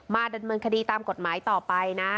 ดำเนินคดีตามกฎหมายต่อไปนะ